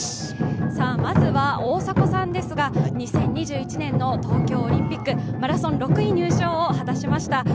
まずは、大迫さんですが２０２１年の東京オリンピック、マラソン６位入賞を果たしました。